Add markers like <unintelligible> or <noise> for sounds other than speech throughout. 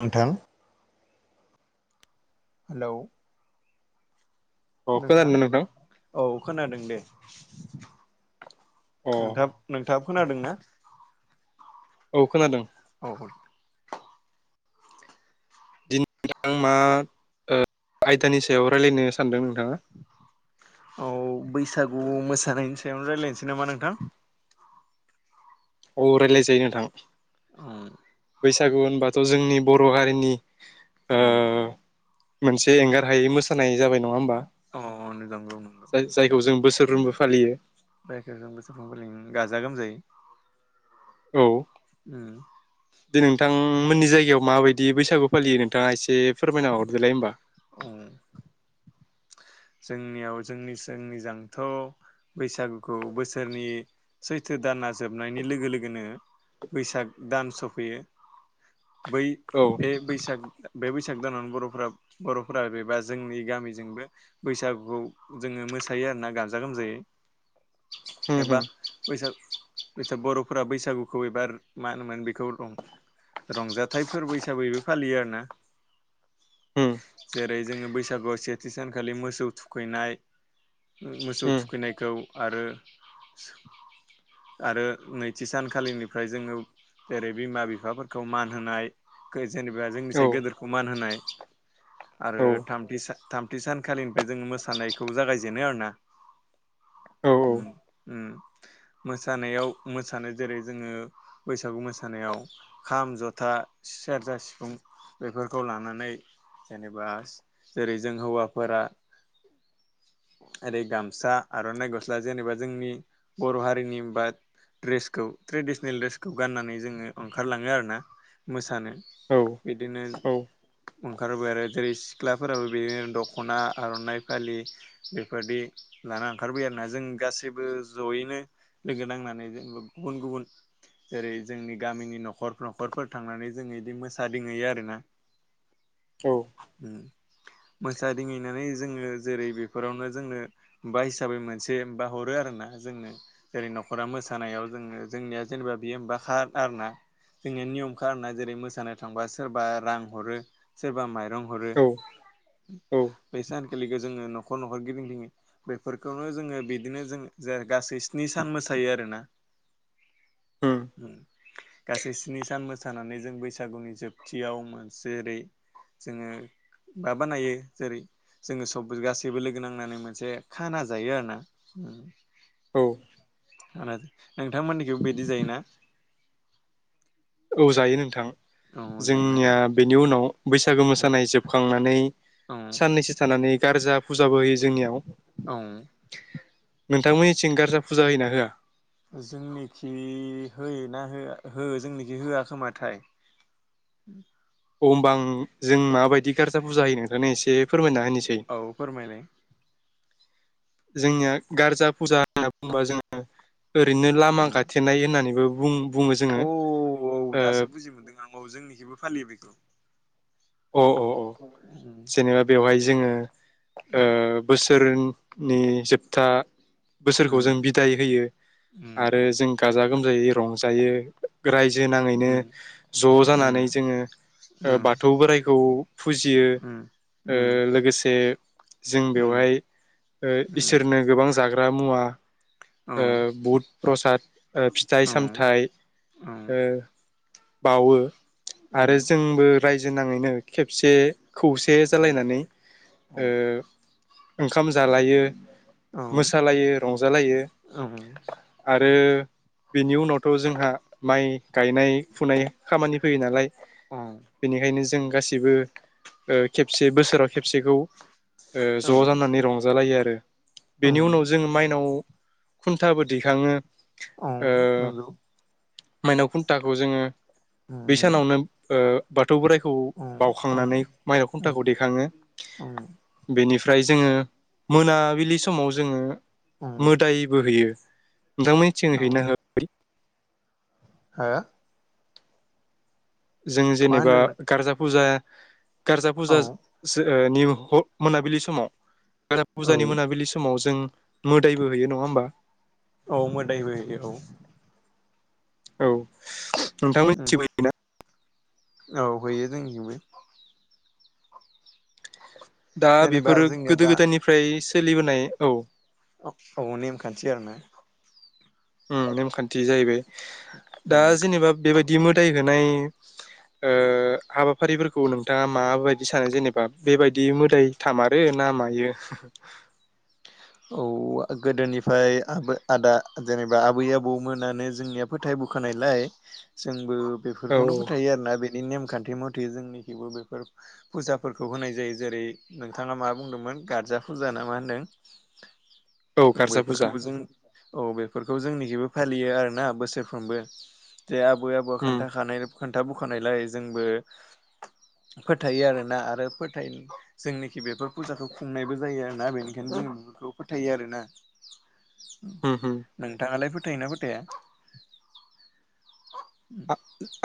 नोंथां हेलौ अ नोंथां खोनादोंना औ खोनादों दे अ <inaudible> नोंथांब नोंथाङाबो खोनादोंना? औ खोनादों दिनै नोंथां मा आयदानि सायाव रायजलायनो सानदों नोंथां? औ। बैसागु मोसानायनि सायावनो रायजलायनोसै नामा नोंथां रायलाय जायो नोंथां औ बैसागु बाथ' जोंनि बर' हारिनि औ। मोनसे एंगार हायै मोसानाय जाबाय नङा होनोमबा अ न नगौ नंगौ जों बोसोरफ्रोमबो फालियो जायखौ जों बोसोरफ्रोमबो फालियो गाजा गोमजायै औ उम दे नोंथां मोननि जायगायाव माबायदि बैसागु फालियो नोंथाङा एसे फोरमायना हरदोलाय होमबा जोंनियाव जोंनि जोंनिजोंथ' बैसागुखौ बोसोरनि सैथो दाना जोबनायनि लोगो लोगोनो बैसाग दान सफैयो। बै औ बे बैसाग बे बैसाग दानाव बर'फोरा बर'फोरा बेबा जोंनि गामिजोंबो बैसागुखौ जोङो मोसायो आरोना गाजा गोमजायै होम होम एबा बैसागो बर'फोरा बैसागुखौ एबा मा होनोमोन बेखौ रंजाथाइ फोरबो हिसाबैबो फालियो आरो ना। होम। जेरै जोङो बैसागुआव सेथि सानखालि मोसौ थुखैनाय मोसौ होम थुखैनायखौ आरो आरो नैथि सानखालिनिफ्राय जोङो जेरै बिमा बिफाफोरखौ मान होनाय जेनेबा औ जोंनिफ्रायाय गदोरखौ मान होनाय आरो औ थामथि। थामथि सानखालिनिफ्राय जोङो मोसानायखौ जागायजेनो आरो ना औ मोसानायाव मोसानो जेरै जोङो बैसागु मोसानायाव खाम जथा सेरजा सिफुं बेफोरखौ लानानै जेनेबा जेरै जों हौवाफोरा ओरै गामसा आर'नाइ गस्ला जेनेबा जोंनि बर' हारिनि बा ड्रेसखौ ट्रेडिसनेल ड्रेसखौ गाननानै जोङो ओंखारलाङो आर ना मोसानो औ बिदिनो औ ओंखारबाय आरो जेरै सिख्लाफोराबो बिनो दख'ना आर'नाइ फालि बेफोरदि लाना ओंखारबोयो आरोना जों गासैबो जयैनो लोगो नांनानै जेनबा गुबुन गुबुन जेरै जोंनि गामिनि न'खर न'खरफोर थांनानै जोंङो बिदि मोसाादंहैयो आरोना। औ। मोसाादिहैनानै जोङो जेरै बेफोरावनो जोंनो मा हिसाबै मोनसेा हरो आरो ना जोंनो जेरै न'खरा मोसानायाव जोङो जोंनिया जेनेबा बियो हबा आरो ना जोंनिया नियम ख आर ना जेरै मोसानो थांबा सोरबा रां हरो सोरबा मायरं हरो औ बै सान नखर गिरिजों न'खर न'खर गिदिं गिङो बेफोरखौनो जोङो बिदिनो जों ज गासै स्नि सान मोसायो आरोना होम औ। गासै स्नि सान मोसानानै जों बैसागुनि जोबथियाव मोनसेेरै जोङो माबानायो जेरै जोङो सबबो गासै जेबो लोगो नांनानै मोनसे खाना जायो आरो ना उम औ खाना नोंथांमोननिखैबो बिदि जायोना औ जायो नोंथां औ जायोना जोंनिया बेनि उनाव बैसागो मोसानाय जोबखांनानै औ साननैसो थानानै गार्जा फुजाबो होयो जोंनियाव औ नोंथां मोननिथिं गार्जा फुजा होयोना होआ? जोंनिखि होयो ना होया हो जोंनिखि होया खोमाथाय। अम आं जों मा बायदि गार्जा पुजा होयो नोंथांनो इसे फोरमायना होनोसै औ फोरमायनाय जोंनिया गार्जा फुजा होनना बुंबा जोङो ओरैनो लामा गाथेनाय होननानैबो बुं बुङो जोङो औ-औ दासो बुजि मोनदों आं औ जोंनिखिबो फालियो बेखौ। अ अ अ उम जेनेबा बेवहाय जोङो ओ बोसोर नि जोबथा बोसोरखौ जों उम बिदाय होयो आरो जों गाजा गोमजायो रंजायो। रायजो नाङैनो उम ज' उम जानानै जोङो ओ उम बाथ बाथौ बोराइखौ फुजियो उम ओ लोगोसे जों उम बेवहाय ओ उम इसोरनो गोबां जाग्रा <unintelligible> मुवा उम औ ओ बुध प्रसाद ओ फिथाइ औ सामथाइ ओ बावो आरो जोंबो <unintelligible> खेबसे खौसे जालायनानै ओ ओंखाम जालायो औ मोसालायो रंजालायो उम आरो बेनि उनावथ' जोंहा माइ गायनाय फुनाय खामानि फैयो नालाय अ बेनिखायनो जों गासिबो ओ खेबसे बोसोराव खेबसेखौ ओ औ ज' जानानै रंजालायो आरो औ बेनि उनाव जों माइनाव खुन्थाबो दैखाङो। औ ओ नोंगौ। माइनाव खुन्थाखौ जोङो उम बे उम सानावनो ओ बाथौ बोराइखौ उम बावखांनानै माइनाव उम खुन्थाखौ दैेखाङो उम बेनिफ्राय ओमफ्राय जोङो मोनाबिलि समाव जोङो उम मोदायबो होयो। नोंथांमोननिथिं औ हैना होआ बै हो जों मा जेनेबा होनदों गारजा फुजा गारजा फुजा नों <unintelligible> ओ <unintelligible> मोनाबिलि समाव <unintelligible> औ फुजानि मोनाबिलि समाव जों मोदायबो हैयो नङा होमबा? औ मोदायबो होयो औ। औ। नोंथां <unintelligible> उम होयोना? औ हैयो जोंजोंबो। दा जेनेबा बेफोरो जोंनिया दा गोदो- गोदायनिफ्राय <unintelligible> सोलिबोनाय औ। औ नेमखानथि आरोना उम नेमखान्थि जाहैबाय दा उम जेनेबा बेबायदि बिदि मोदाय ओ होनाय ओ हाबाफारिफोरखौ नोंथाङा माबायदि सानो जेनेबा बेबायदि मोदाय थामारो ना मायो? औ गोदोनिफ्राय आबै- आदा जेनेबा आबै- आबौमोनानो जोंनिया फोथाय बोखानायलाय जोंबो औ बेफोरखौनो फोथायो आरोना बे बि नेमखान्थि मथे जोंनिखिबो बेफोर फुजाफोरखौ होनाय जायो जेरै नोंथाङा मा बुंदोंमोन गारजा फुजा ना मा होन्दों? औ <unintelligible> गारजा फुजा बेफोरखौबो जों औ बेफोरखौ जोंनिखिबो फालियो आरो ना बोसोरफ्रोमबो जे आबै -आबौ उम खोन्थाखानाय खोन्थाबोखानायलाय जोंबो फोथायो आरोना, आरो फोथाय जोंनोखि बेफोर फुजाखौ खुंनायबो जायो आरोना बेनिखायनो जों बेखौ फोथायो आरोना। उम उम नोंथाङालाय? फोथायोना -फोथाया? आ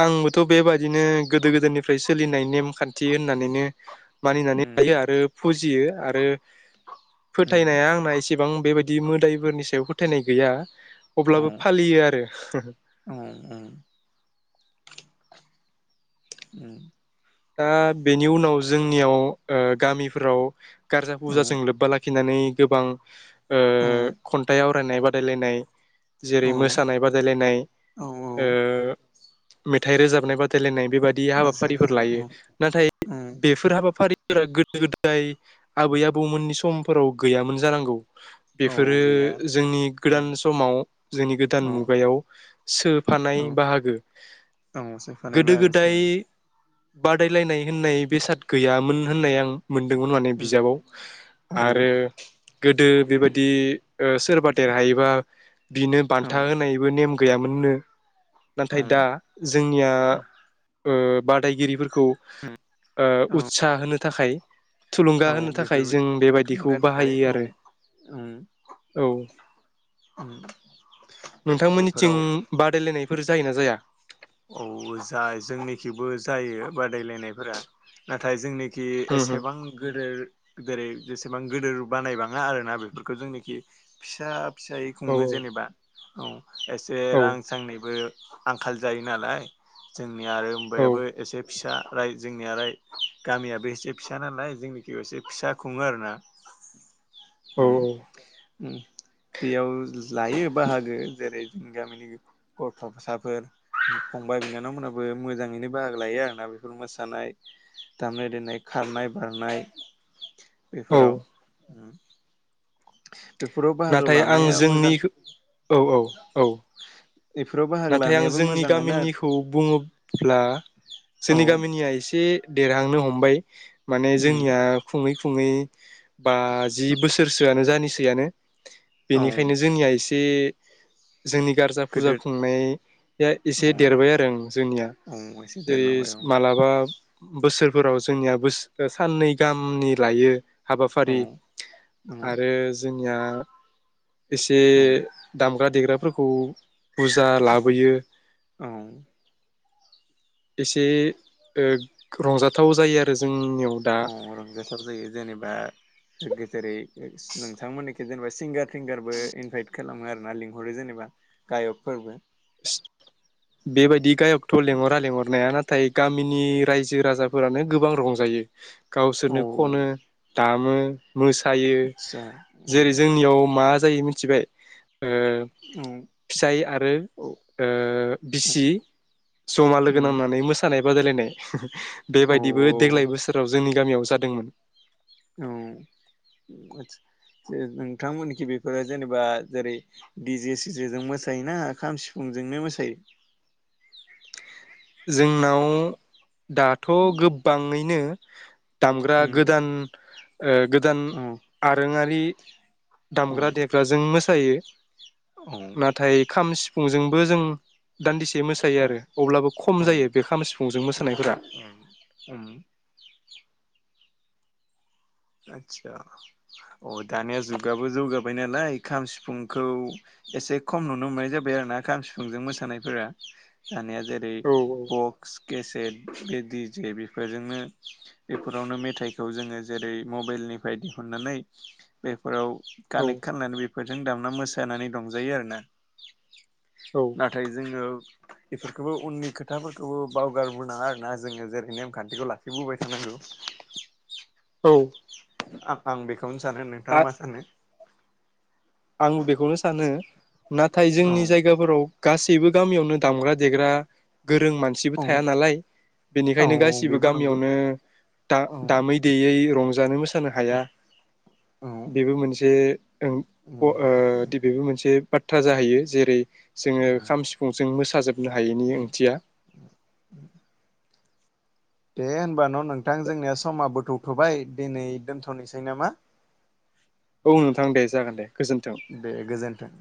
आंबोथ' बेबादिनो गोदो -गोदायनिफ्रायसो सोलिनाय नेमखान्थि होननानैनो मानिनानै उम लायो आरो फुजियो आरो उम फोथायनाया आंना एसेबां बेबायदि मोदायफोरनि सायाव <unintelligible> फोथायनाय गैया। अब्लाबो उम फालियो आरो। औ उम उं दा बेनि उनाव जोंनियाव ओ गामिफोराव गारजा औ फुजाजों लोब्बा लाखिनानै गोबां ओ औ खन्थाइाव फरायनाय बादायलायनाय जेरै औ मोसानाय बादायलायनाय ओ मेथाइ रोजाबनाय बादायलायनाय बेबादि हाबाफारिफोर लायो। नाथाय औ बेफोर हाबाफारि <unintelligible> गोदो गोदाय आबै आबौमोननि समफोराव गैयामोन जानांगौ। औ बेफोरो गैया जोंनि उम गोदान समाव जोंनि गोदान औ मुगायाव सोफानाय औ बाहागो औ सोफानाय गोदो बाहागोसो गोदाय बादायलायनाय होननाय बेसाद गैयामोन होननाय आं मोनदोंमोन माने उम बिजाबाव औ आरो गो गोदो बेबायदि ओ सोरबा देरहायोबा बिनो औ बान्था होनायबो नेम गैयामोननो। नाथाय दा जोंनिया ओ बादायगिरिफोर खौ ओ औ उत्सा होनो थाखाय थुलुंगा औ होनो थाखाय जों बेफोरबायदि बेबायदिखौ थुलुंगानि थाखाय बाहायो औ आरो उम औ उम नोंथांमोननिथिं बेफोराव बादायलायनाय बेफोर जायोना जाया? औ जाय जोंनिखेबो जायो बादायलायनायफोरा नाथाय जोंनि कि होम होम एसेबां गोदोर जेरै जेसेबां गोदोर बानायबाङा आर ना बेफोरखौ जोंनोखि फिसा फिसायै औ खुङो औ जेनेबा। औ एसे रां औ सांनैबो आंखाल जायो नालाय जों <unintelligible> आरो होमबाबो एसे फिसा रायजोनियालाय गामियाबो एसे फिसा नालाय जोंनिखिबो एसे फिसा खुङो आरोना। औ उम उम बेयाव लायो बाहागो जेरै जोंनि गामिनि गथ'साफोर फंबाय बिनानावमोनहाबो मोजाङैनो बाहागो लायो आरोना बेफोर मोसानाय दामनाय देनाय खारनाय बारनाय। बेफोराव। औ बेफोराव बाहागो नाथाय आं लानाया जोंनि मोजां औ-औ। औ। बेफोराव बाहागो नाथाय आं लानायाबो जोंनि मोजाङानो गामिनिखौ बुङोब्ला। औ जोंनि गामिनिया एसे देरहांनो हमबाय। माने जोंनिया खुंयै खु खुङै। बाजि बोसोरसोआनो जानि सैयानो। औ बेनिखायनो जोंनिया एसे जोंनि गारजा फुजा गोदो खुंनाया औ एसे देरबाय आरो आं जोंनिया औ एसे जेरै देरलांबाय औ मालाबा बोसोरफोराव जोंनिया बोस ओ साननै गाहामनि लायो। औ हाबाफारि आरो जोंनिया एसे औ दाम दामग्रा देग्राफोरखौ। बुजा लाबोयो। औ। एसे ओ रंजाथाव जायो आरो जों औ रंजासार जायो जेनेबा जेरै- नोंथांमोननिखि जेनेबा सिंगार थिंगारबो इनभाइट खालामो आरोना लिंहरो जेनेबा गायकफोरबो। बेबायदि गायकथ' लेंहरा लेंहरनाया ना थाय गामिनि रायजो राजाफोरानो गोबां रंजायो। औ गावसोरनो खनो दामो। मोसायो आतसा औ जेरै- जोंनियाव मा जायो मि थिबाय। ओ औ फिसाइ आरो। औ ओ बिसि जमा लोगो नांनानै मोसानाय बा बादायलायनाय। औ बेबायदिबो देग्लाय बोसोराव जोंनि गामियाव जाद दोंमोन। औ नोंथांमोनखि बेफोरो जेनेबा जेरै- दिजे सिजेजों मोसायोना खाम सिफुंजोंनो मोसायो? जोंनाव दाथ' गोबाङैनो <inaudible> दामग्रा उम गोदान गोदान औ आरोङारि औ दामग्रा देग्राजों मोसायो। यो नाथाय खाम सि फुंजोंबो जों दान्दिसे मोसायो औ आरो अब्लाबो औ खम जायो बे खाम सिफुंजों मोसानायफोरा औ औ आदसा अ दानिया जुगाबो जौगाबाय नालाय खाम सिफुंखौ एसे खम नुनो मोननाय जाबाय आरो ना खाम सिफुंजों मोसानायफोरा दानिया जेरै औ बक्स केसेट दिजे बेफोर बेजोंनो बेफोरावनो मेथाइखौ जोङो जेरै मबाइल निफ्राय दिहुननानै बे फोराव औ कानेक्ट खालामनानै बेफोरजों दामना मोसायो। जानानै दंजायो आरोना औ नाथाय जोङो बेफोरखौबो उननि खोथाफोरखौबो बावगारबोनाङा आरोना जोङो जेरै नेमखान्थिखौ लाखिबोबाय थानांगौ। औ। आं बेखौनो सानो नोंथाङा मा सानो? आंबो बेखौनो सानो। नाथाय औ जोंनि जायगाफोराव गासैबो गामियावनो दामग्रा देग्रा गोरों मानसिबो थाया औ नालाय औ बिनिखायनो गासिबो बेबो नंगौ गामियावनो दा औ दामै देयै रं <unintelligible> हाया दे बेबो मोनसे औ। ओ दि बेबो मोनसे बाथ्रा जाहैयो जेरै जोङो खाम सिफुं जों मोसा हायैनि ओंथिया दे होमबा न' नोंथां जोंनिया समाबोथ' थबाय दिनै दोनथ'नोसै नामा? औ नोंथां दे जागोन दे। गोजोन्थों दे गोजोन्थों।